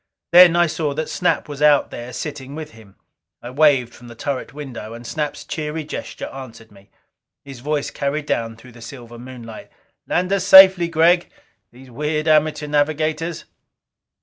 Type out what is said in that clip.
Then I saw that Snap was out there sitting with him. I waved from the turret window, and Snap's cheery gesture answered me. His voice carried down through the silver moonlight: "Land us safely, Gregg. These weird amateur navigators!"